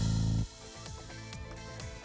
โอเคน่ะค่ะ